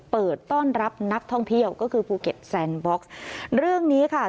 เปิดต้อนรับนักท่องเที่ยวก็คือภูเก็ตแซนบ็อกซ์เรื่องนี้ค่ะ